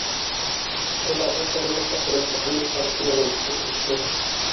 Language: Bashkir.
Тылдағы ҡыҙыулыҡ та фронттыҡынан ҡалышмаған, әлбиттә.